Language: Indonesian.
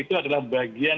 itu adalah bagian